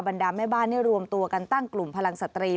ดาแม่บ้านรวมตัวกันตั้งกลุ่มพลังสตรี